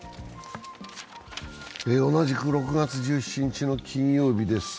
同じく６月１７日の金曜日です